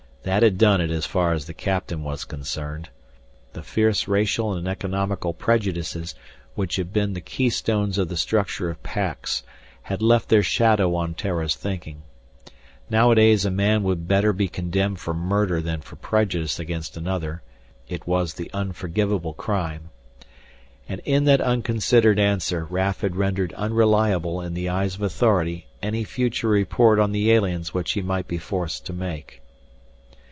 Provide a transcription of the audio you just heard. That had done it as far as the captain was concerned. The fierce racial and economical prejudices which had been the keystones of the structure of Pax had left their shadow on Terra's thinking. Nowadays a man would better be condemned for murder than for prejudice against another it was the unforgivable crime. And in that unconsidered answer Raf had rendered unreliable in the eyes of authority any future report on the aliens which he might be forced to make.